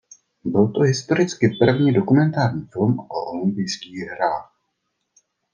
Byl to historicky první dokumentární film o olympijských hrách.